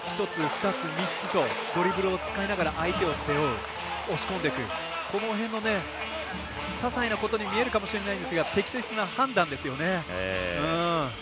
１つ、２つ、３つとドリブルを使いながら相手を誘う押し込んでいくこの辺のささいなことに見えるかもしれませんが適切な判断ですよね。